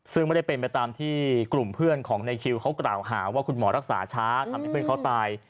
ซึ่งไม่ได้เป็นไปตามที่กลุ่มเพื่อนของในคิวเขากล่าวหาว่าคุณหมอรักษาช้าทำให้เพื่อนเขาตาย